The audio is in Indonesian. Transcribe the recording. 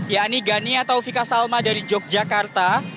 ya ini ghani atau vika salma dari yogyakarta